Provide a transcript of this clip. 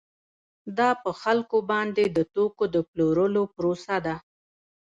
دا په خلکو باندې د توکو د پلورلو پروسه ده